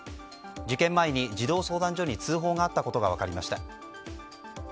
事件前に児童相談所に通報があったことが分かりました。